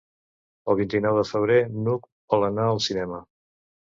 El vint-i-nou de febrer n'Hug vol anar al cinema.